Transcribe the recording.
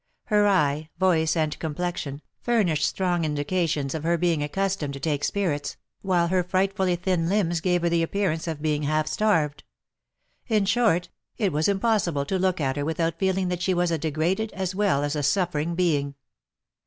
Her eye, voice, and complexion, furnished strong indications of her being accustomed to take spirits, while her frightfully thin limbs gave her the appearance of being half starved. In short, it was impossible to look at her without feeling that she was a degraded, as well as a suffering being.